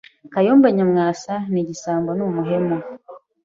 Kayumba Nyamwasa ni igisambo n’umuhemu